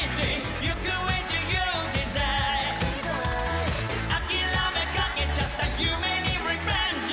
「行方、自由自在」「諦めかけちゃった夢にリベンジ」